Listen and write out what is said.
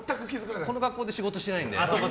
この格好で仕事してないので。